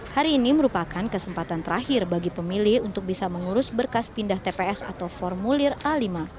hari ini merupakan kesempatan terakhir bagi pemilih untuk bisa mengurus berkas pindah tps atau formulir a lima